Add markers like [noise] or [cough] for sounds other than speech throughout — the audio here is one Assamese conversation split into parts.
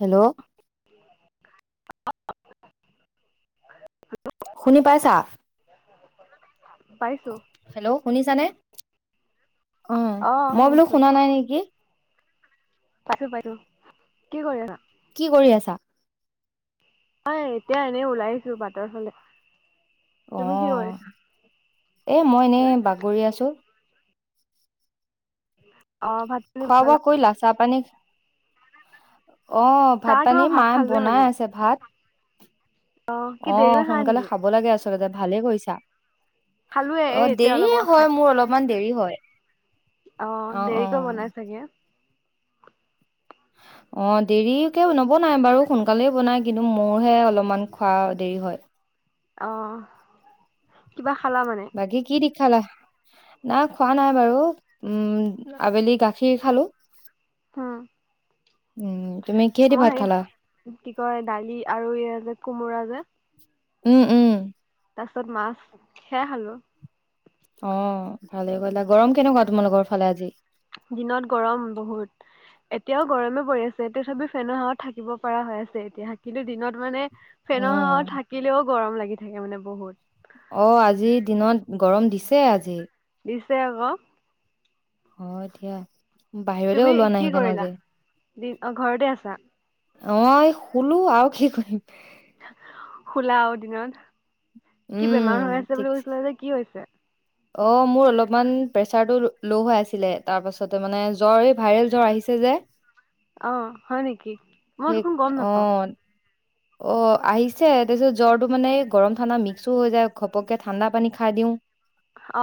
হেল্ল'। [unintelligible] শুনি পাইছা পাইছো হেল্ল' শুনিছানে? অ মই বোলো শুনা নাই নেকি। পাইছো পাইছো, কি কৰি আছা? কি কৰি আছা? [unintelligible] এতিয়া এনেই ওলাই আহিছো বাটৰ ফালে। তুমি কি অ', কৰিছা এ মই এনেই বাগৰি আছো। [inaudible] পানী খোৱা বোৱা বনালা কৰিলা চাহ পানী। অ', ভাত চাহ পানী মই মাই খালোৱে বনাই মানে আছে ভাত। কি অ দেৰিকৈ খাই সোনকালে নেকি খাব লাগে আচলতে ভালেই কৰিছা। খালোৱে এই অ', এতিয়া অলপ দেৰিয়ে আগত খাই হয় মোৰ অলপমান দেৰি- হয়। অ', দেৰিকৈ বনাই চাগে। [unintelligible] অ', দেৰিকে নবনাই বাৰু সোনকালেই বনায় কিন্তু মোৰহে অলপমান খোৱা দেৰি হয়। অ', কিবা- খালা মানে বাকী কি - খালা নাই খোৱা নাই বাৰু উম আবেলি গাখীৰ খালো। উম। [unintelligible] ভাত অই খালা? কি কয় দালি আৰু এই যে কোমোৰা যে উম, উম তাৰ পিছত মাছ সেয় অ', ভালে গলা গৰম কেনেকুৱা তোমালোকৰ ফালে আজি দিনত গৰম বহুত এতিয়াও গৰমে পৰি আছে তথাপি ফেনৰ হাৱাত থাকিব পৰা হৈ আছে এতিয়া কিন্তু দিনত মানে ফেনৰ অ', হাৱাত থাকিলেও গৰম লাগি থাকে মানে বহুত অ', আজি দিনত গৰম দিছে আজি দিছে আকো অ', দিয়া বাহিৰতে তুমি ওলোৱা কি নাই সেইকাৰণে কৰিলা আজি দিন অ ঘৰতে আছা অ', শুলু আৰ কি কৰিম শুলা অ দিনত কি উম, বেমাৰ হৈ আছে ঠিক বুলি কৈছিলে যে কি হৈছে অ', মোৰ অলপমান পেচাৰটো ল' হৈ আছিলে তাৰ পাছতে মানে জ্বৰ এই ভাইৰেল জ্বৰ আহিছে ৰে অ', হয় নেকি মই দেখুন গম নাপাওঁ অ', অ', আহিছে তাৰপিছত জ্বৰটো মানে গৰম ঠাণ্ডা মিক্সও হৈ যায় ঘপককে ঠাণ্ডা পানী খাই দিওঁ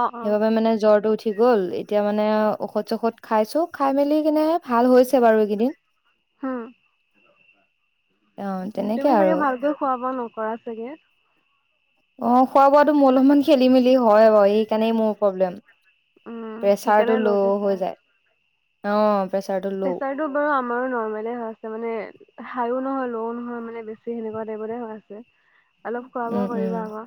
অ অ মানে জ্বৰটো উঠি থ গ'ল এতিয়া মানে ঔষধ চষধ খাইছু খাই মেলি কেনে ভাল হৈছে বাৰু এইকেইদিন হ অ তেনেকে তুমি আৰু ছাগে ভালকৈ খোৱা বোৱা নকৰা ছাগে অ', খোৱা বোৱাাটো মোৰ অলপমান খেলি মেলি হয় বাৰু সেইকাৰণেই মোৰ পব্লেম উম পেচাৰটো সেইকাৰণে ল, হৈ যায় অ', প্ৰেচাৰটো ল' পেচাৰটো বাৰু আমাৰো নৰ্মলে হৈ আছে মানে হাই অ', নহ ল নহয় মানে বেছি সেনেকুৱা টাইপৰে হৈ আছে অলপ খোৱা বোৱা উম উম কৰিব আকৌ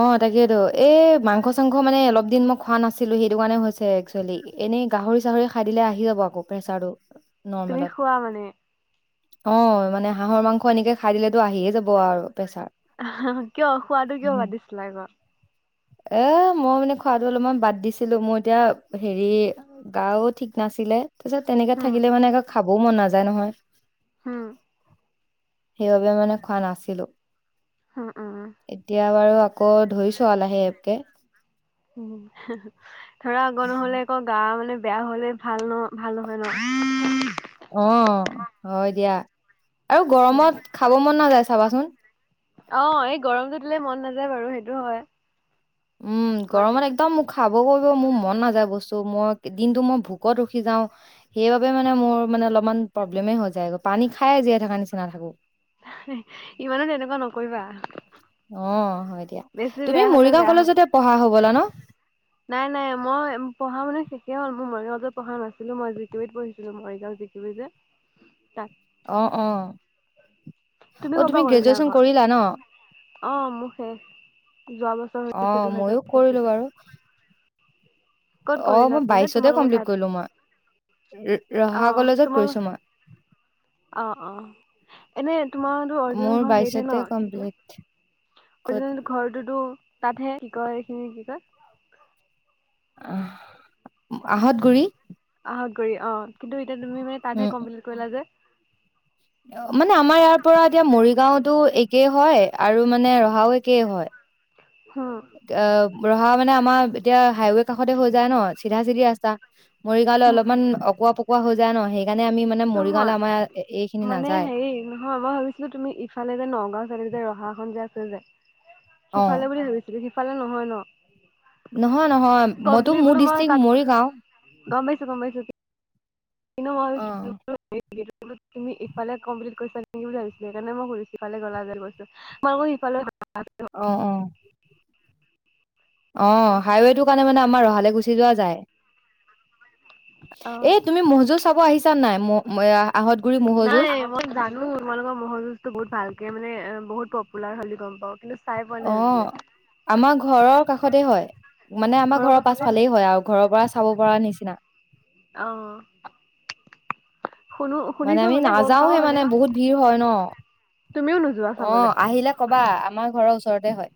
অ', তাকেতো এ মাংস চাংস মানে অলপ দিন মই খোৱা নাছিলো সেইটো কাৰণে হৈছে একচুৱেলি এনেই গাহৰি চাহৰি খাই দিলে আহি যাব আকৌ পেছাৰটো তুমি খুৱা মানে অ', মানে হাঁহৰ মাংস এনেকে খাই দিলেত আহিয়ে যাব আৰু প্ৰেছাৰ কিয় খোৱাটো কিয় উম বাদ দিছিলা আকৌ এ, মই মানে খোৱাাটো অলপমান বাদ দিছিলো মোই এতিয়া হেৰি গাওঁ ঠিক নাছিলে তাৰ পিছত তেনেকে হম থাকিলে মানে আকৌ খাবও মন নাযায় নহয় হু সেইবাবে মানে খোৱা নাছিলো, হম উম এতিয়া বাৰু আকৌ ধৰি চোৱালাহে কে উ, ধৰা আগৰ নহলে আকৌ গা মানে বেয়া হলে ভাল ন ভাল নহয় ন অ হয় দিয়া আৰু গৰমত খাৱ মন নাযায় চাবাচুন অ', এই গৰমটুদিলে মন নাযায় বাৰু সেইটো হয় উম মানে গৰমত একদম মুখা কৰিব মোৰ মন নাযায় বস্তু মই দিনটো মই ভোকত ৰখি যাও সেইবাবে মানে মোৰ ম অলপমান পব্লেমে হৈ যায় পানী খাই জীয়াই থকা নিচিনা থাকু ইমানে তেনেকুৱা নকৰিবা অ হয় দিয়া বেছি তুমি বেয়া হ'লে মৰিগাঁও বেয়া হ'ব কলেজতে পঢ়া হবলা ন নাই নাই মই পঢ়া মানে শেষে হ'ল মোৰ মৰিগাঁওত পঢ়া নাছিলো মই জি টু ই পঢ়িছিলো মৰিগাঁও দিকিলি যে [unintelligible] তাত অ অ অ ক'ৰ পৰা তুমি কৰিলা গ্ৰেজুৱেচন আকৌ কৰিলা ন অ মোৰ শেষ যোৱা বছৰ হৈছে অ', ময়ো দুহেজাৰ কৰিলো বাৰু। পঁচিছত ক'ত অ কৰিলা মই বোলে বাইশতে তোমালোকৰ কমপ্লিট তাত? কৰিলো মই ৰহা অ', কলেজত তোমাল গৈছোঁ মই অ অ এনে তোমাৰতো অৰ্জুনৰ মোৰ ঘৰ হেৰি থে বাইশতে ন কি ক কমপ্লিট অজ ক'ত ঘৰটোতো তাতহে কি কয় সখিনি কি কয় আহ আহত গুৰি অ কিন্তু এতিয়া তুমি মানে তাতে উম, কম্লিট কৰিলা যে মানে আমাৰ ইয়াৰ পৰা এতিয়া মৰিগাঁওতো একেই হয় আৰু মানে ৰহাও একেই হয় হুম, অ ৰহা মানে আমাৰ এতিয়া হাইৱে কাষতে হৈ যায় ন চিধা চিধি ৰাস্তা মৰিগাঁৱলৈ হুম, অলপমান অকোৱা পকোৱা হৈ যায় ন সেই মানে মৰিগাঁৱলে নহয়। আমাৰ মানে নাযায়। হেৰি নহয় মই ভাবিছিলো তুমি ইফালে যে নগাঁও চালে যে ৰহা এন যে আ যে অ', সিফালে বুলি ভাবিছিলো সিফালে নহয় নহয় ন নহয় গম মইতো পি মোৰ বোলো মই ডিষ্ট্ৰিক্ট তাত মৰিগাঁও। গম পাইছো গম পাইছো অ', স তুমিফাল কমপ্লি কৰিছােক বুলি ভাবিছিলে সেইকাৰে মই সৰু সিফালে গল গৈছো মইকৌ ইফালে আহ অ অ হাইৱেটোৰ কাৰণে মানে আমাৰ ৰহালৈ গুচি যোৱা যায় অ' এ তুমি মজু চাব আহিছা নাই ম নাই মই জানো তোমালোকৰ ম'হৰ যুঁজো বহুত ভালকে মানে বহুত পপুলাৰ হ'লে গম পাও কিন্তু চাই পোৱা অ নাই আজিলে আমাৰ ঘৰৰ কাষতে হয় মানে আমাৰ ঘৰৰ পাছফালেই হয় আৰু ঘৰৰ পৰা চাব পৰা নিচিনা আহ মানে আমি নাযাওহে মানে বহুত ভিৰ হয় ন তুমিও নোযোৱা অ চাবলৈ আহিলে কবা আমাৰ ঘৰৰ ওচৰতে হয়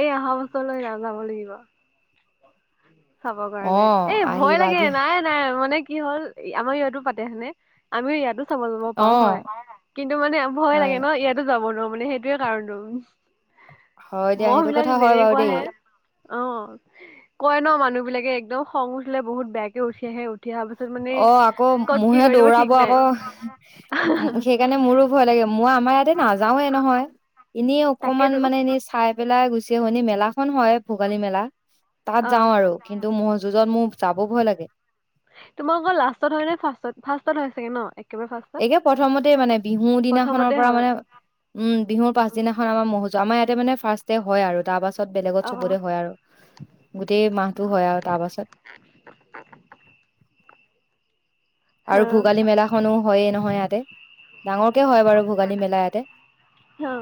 এই অহা বছৰলৈ নাযাব লাগিব চাব অ কাৰণে এ ভয় আহিবা লাগে দিয়া নাই নাই মানে কি হ'ল আমাৰ ইয়াতো পাতে সেনেে আমি ইয়াতো চাব যাব অ পাওঁ হয় কিন্তু মানে ভয় লাগে হয় ন ইয়াতো যাব নোৱাৰো মানে সেইটোয়ে কাৰণটোো হয় দিয়া মহ সেইটো বিলাক কথা হয় বাৰু যেনেকুৱ দেই হে অ কয় ন মানুহ বিিলাকে একদম খং উঠে বহুত বেয়াকে উঠি আহে উঠ অ আকৌ মহে দিব ঠিক দৌৰাব নাই আকৌ সেইকাৰণে মোৰো ভয় লাগে মই আমাৰ ইয়াতে নাযাওে নহয় এনেই অকমান তাকেতো মানে এনেই চাই পেলাই গ মেলা খন হয় ভোগালী মেলা তাত অ যাওঁ আৰু কিন্তু মজু মোৰ যাব ভয় লাগে তোমাৰ অৌ লাষ্টত হয় নে ফাৰত ফাৰ্ষত হয় চাগে ন একেবাৰে ফাৰ্ষ্টত এইে প্ৰথমতে মানে বিহু দিনাখনৰ প্ৰথমতে পৰা হয় মানে উম বিহুৰ পাছদিনাখন আমাৰ মহোজু আমাৰ ইয়াতে মানে ফাৰ্ষ্ ডে হয় আৰু তাৰ পাছত াছত বেলেগত অ চবতে হয় আৰু গোটেই মাহটো হয় আৰু তাৰ পাছত [unintelligible] হ আৰু ভোগালী মেলাখনো হইয়ে নহয় ইয়াতে। ডাঙৰকে হয় বাৰু ভোগালী মেলা ইয়াতে। হ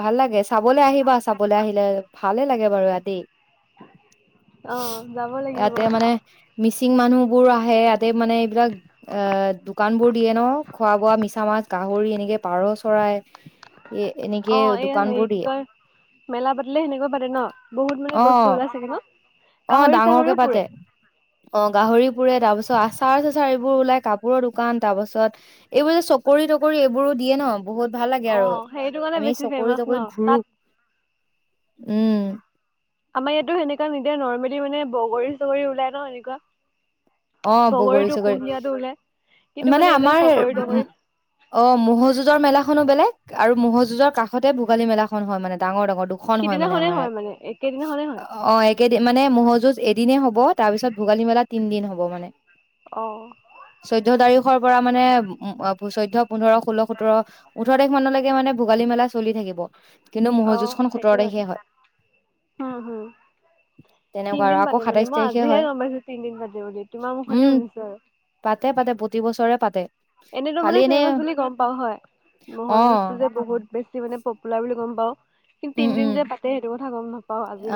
ভাল লাগে, চাবলে আহিবা, চাবলৈ আহিলে, ভালে লাগে। ঘৰ ইয়াতেই। অ যাব লাগিব ইয়াতে মানে মিচিং মানুহবোৰ আহ ইয়াতে মানে এইবিলাক অ দোকান বোৰ দিয়ে ন, খোৱা- বোৱা মিছা মাছ, গাহৰি এনেকে পাৰ চৰাই এ এনেকে অ এই হেৰি দোকানবোৰ কি দিয়ে। কয় মেলা পাতিলে সেনেকুৱা পাতে ন? বহুত মানে অ বস্তু ওলাই চাগে ন? অ গাহৰি ডাঙৰকে চাহৰিও পাতে, পুৰে অ গাহৰি পুৰে। তাৰ পাছত আচাৰ-চাচাৰ এইবোৰ ওলাই কাপোৰৰ দোকান, তাৰ পাছত এইবোৰ যে চকৰি- তকৰি এইবোৰো দিয়ে ন বহুত ভাল লাগে অ আৰু সেইটো কাৰণে আমি বেছি চকৰি- ফেমাচ ন তকৰিত ঘূুৰো। তাত উম আমাৰ ইয়াতো সেনেকা নিদিয়া নৰ্মেলি মানে বগৰী চগৰী ওলাই ন এনেকুৱা অ বগৰী বগৰীটো চগৰী। কুঁহিয়াটো ওলাই কিন্তু মানে এইবিলাক আমাৰ চকৰি তকৰি অ ম'হ যুজৰ মেলাখনো বেলেগ। আৰু ম'হ যুঁজৰ কাষতে ভোগালী মেলাখন হয় মানে ডাঙৰ ডাঙৰ দুখন হয় মানে সিদিনাখনে আমাৰ হয় ইয়াত। মানে একেদিনাখনে অ হয় অ একেদিন মানে ম'হ যুঁজ এদিনেই হ'ব তাৰ পিছত ভোগালী মেলাত তিন দিন হ'ব মানে অ চৈধয় তাৰিখৰ পৰা মানে উ চৈধ্য পোন্ধৰ ষোল্ল সোতৰ ওঠৰাৰিখ মানলৈকে মানে ভোগালী মেলা চলি থাকিব। কিন্তু ম'হৰ আহ যুঁজখন সোতৰ সেইটো তাৰিখে [unintelligible] হয় হম হম্ তেনেকুৱা আৰু তিনদিন আকৌ পাতে মানে সাতাইশ মই তাৰিখে আজিহে হয় গম পাইছো তিনদিন পাতে বুলি। তোমাৰ মুখতহে উম শুনিছো আৰু পাতে পাতে প্ৰতি বছৰে পাতে এনেতো খালি মানে এনেই ফেমাচ বুলি গম পাও হয় ম'হৰ অ যুঁজটো যে বহুত বেছি মানে পপুলাৰ বুলি গ'ম পাও কিন্তু তিনদিন যে পাতে সেইটোথা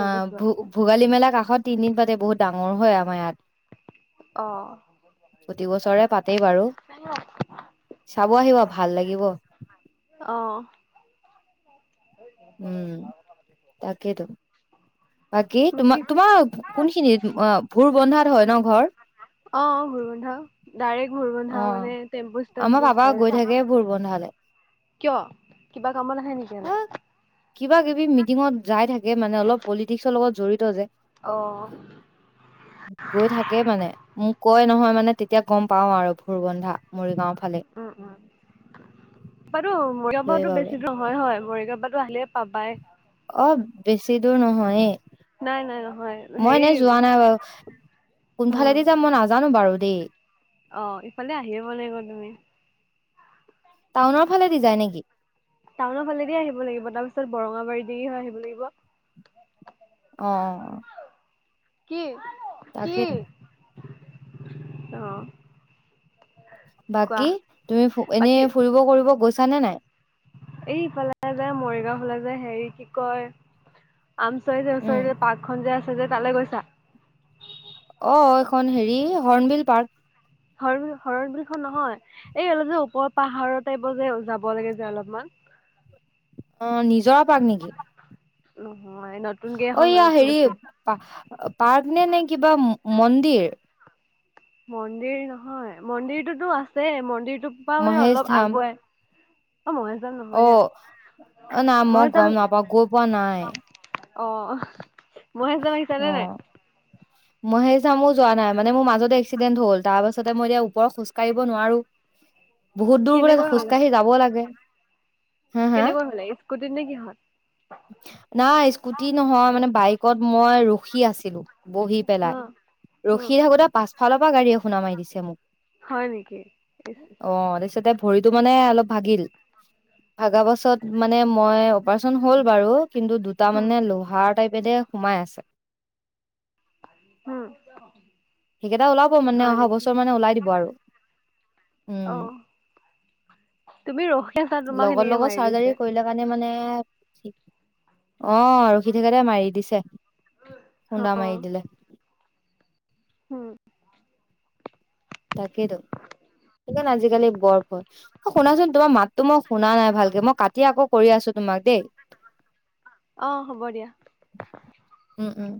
অ ভ ভোগালী মেলা কাষত তিনদিন পাতে বহুত ডাঙৰ হয় আমাৰ ইয়াত। অ প্ৰতি বছৰে পাতেই বাৰু চাব আহিব। ভাল লাগিব। আহ উম তাকেইতো [unintelligible] বাকী তোমাৰ তোমাৰ কোনখিনি ভোৰ বন্ধাত হয় ন ঘৰ? অ ভবন্ধা ডাইৰেক্ট অ ভৰবন্ধা মানে টেম্পু ষ্টেড আমাৰ পাপা টোৰ গৈ ওচৰতে। থাকে ভোৰ বন্ধালে কিয় কিবা কামত আহে নেকি এনে? অ কিবা কিবি মিটিঙত যাই থাকে মানে অলপ পলিটিক্সৰ লগত জড়িত যে। অ', গৈ থাকে মানে মোক কয় নহয় মানে তেতিয়া গম পাও আৰু ভোৰবন্ধা মৰিগাঁৱৰ। উম উম বাৰু মৰিগাঁ পাৰতো সেইবাবে বেছি ধৰ হয় হয় মৰিগাঁ প। লে পাবাই অ বেছি দূৰ নহয়। নাই, নাই নহয় মই হেৰি এনে যোৱা নাই বাৰ উম, কোনফালেদি যাম মই নাজানো বাৰু। দে অ ইফালে আহিব লাগিব তুমি টাউনৰ ফালে দি যায় নেকি? টাউনৰ ফালেদি আহিব লাগিব তাৰপিছত বৰঙাবাৰী দি হয় আহিব লাগিব অ অ কি কি তাকে টো। অ কোৱা বাকী তুমি এনেই বাকী ফুৰিব কৰিব গৈছা নে নাই? এই ইফালে যে মৰিগাঁও ফালে যে হেৰি কি কয়? আমচৰি যে উম, ওচৰি যে পাৰ্কখন যে আছে যে তালৈ গৈছা? অ এইখন হেৰি হৰ্ণবিল পাৰ্ক। শৰণ শৰণ বিলখন নহয় এই অলপ যে ওপৰ পাহাৰৰ টাইপ যে যাব লাগে যে অলপমান। অ নিজৰা পাৰ্ক নেকি? নহয় নতুনকে অ এখন ইয়া হেৰি খুলিছে। পাৰ্ক নে নে কিবা মন্দিৰ। মন্দিৰ নহয় মন্দিৰটোতো আছে মন্দিৰ টোপা মানে মহেশ অলপ ধাম আগুৱাই অ মহেশজান নহয় অ দিয়া অ নাই মই গম মহেশজান নাপাওঁ গৈ পোৱা নাই। অ মহেশজন আহিছে নে নাই? মই সেই চামো যোৱা নাই মানে মোৰ মাজতে এক্সিডেণ্ট হ'ল তাৰ পাছতে মই এতিয়া ওপৰ খোজকাঢ়িব নোৱাৰোঁ, বহুত দূৰ বোলে কেনেকৈ খোজ কাঢ়ি যাব লাগে। হা হা কেনেকুৱা হোলাগ স্কুটিত নে কিহত? নাই স্কুটি নহয় মানে বাইকত মই ৰখি আছিলোঁ। বহি পেলাই অ', অ', ৰখি থাকোতে পাছফালৰ পৰা গাড়ী এ খুন্ডা মাৰি দিছে মোক। হয় নেকি? অ তাৰপিছতে ভৰিত ইটো মানে অলপ ভাগিল ভাগা পাছত মানে মই অপাৰচন হ'ল বাৰু। কিন্তু দুটা উম, মানে লোহাৰ টাইপেৰে সোমাই আছে। উম, সেইকেইটা ওলাব মানে হয় অহা নেকি? বছৰ মানে ওলাই দিব আৰু। অ উম তুমি ৰখ লগৰ লগত চাৰ্জাৰী কৰিলে কাৰণে মানে অ ৰখি থাকতে মাৰি দিছে। খুন্দা মাৰি অ', দিলে। উম, তাকে তো, সেইকাৰণে আজিকালি বৰফ হয় শুনাচোন তোমাৰ মাততো মই শুনা নাই ভালকে মই কাটি আকৌ কৰি আছো তোমাক দেই, অ হ'ব দিয়া, উম উম